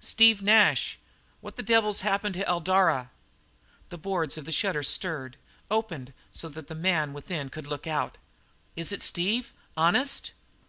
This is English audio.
"Steve Nash. What the devil's happened to Eldara?" The boards of the shutter stirred, opened, so that the man within could look out. "Is it Steve, honest?"